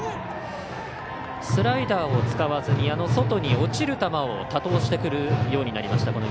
スライダーを使わずに外に落ちる球を多投してくるようになしました。